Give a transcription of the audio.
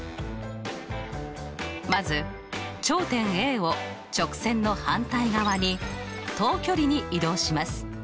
まず頂点Ａを直線の反対側に等距離に移動します。